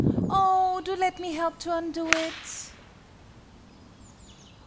"Oh, do let me help to undo it!"